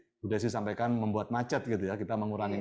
jadi sudah saya sampaikan membuat macet gitu ya kita mengurangi itu